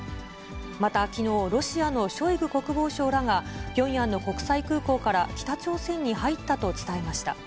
またきのう、ロシアのショイグ国防相らがピョンヤンの国際空港から北朝鮮に入ったと伝えました。